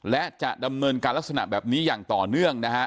และจะดำเนินการลักษณะแบบนี้อย่างต่อเนื่องนะฮะ